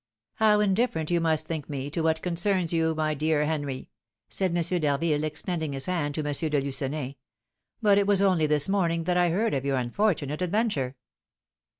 "How indifferent you must think me to what concerns you, my dear Henry!" said M. d'Harville, extending his hand to M. de Lucenay; "but it was only this morning that I heard of your unfortunate adventure."